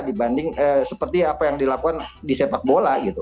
dibanding seperti apa yang dilakukan di sepak bola gitu